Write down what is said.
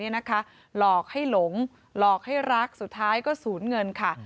หลอกให้หลงหลอกให้รักสุดท้ายก็สูญเงินค่ะ